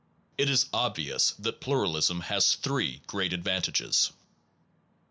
It is obvious that plural ism has three great advantages: 1.